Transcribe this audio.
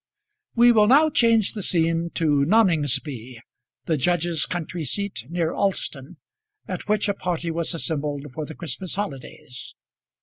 We will now change the scene to Noningsby, the judge's country seat, near Alston, at which a party was assembled for the Christmas holidays.